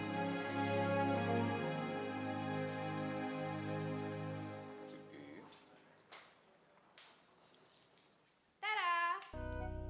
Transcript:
begitu lebih agak